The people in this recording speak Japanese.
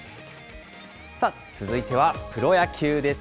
さあ、続いてはプロ野球です。